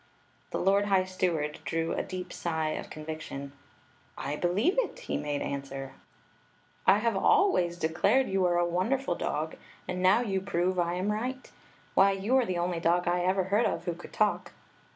'* The lord high steward drew a deep sigh of con viction. " I believe it ! he made answer. " I have always Story of the Magic Cloak 129 declared you were a wonderful dog, and now you prove I am right Why, you are the only dog I ever heard of who could talk